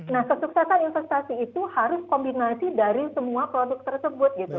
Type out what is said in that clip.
nah kesuksesan investasi itu harus kombinasi dari semua produk tersebut gitu